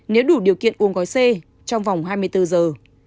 nếu đủ điều kiện uống gói c trong vòng hai mươi bốn giờ